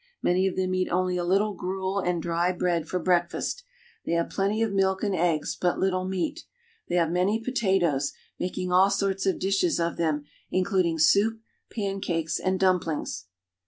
Many of them eat only a little gruel and dry bread for breakfast ; they have plenty of milk and eggs, but little meat. They have many potatoes, making all sorts of dishes of them, including soup, pancakes, and dumplings.